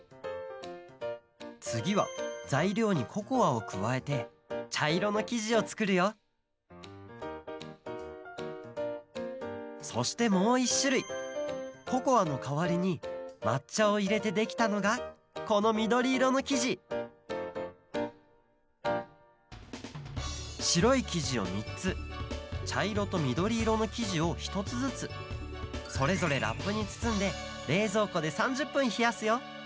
つぎはざいりょうにココアをくわえてちゃいろのきじをつくるよそしてもう１しゅるいココアのかわりにまっちゃをいれてできたのがこのみどりいろのきじしろいきじをみっつちゃいろとみどりいろのきじをひとつずつそれぞれラップにつつんでれいぞうこで３０ぷんひやすよ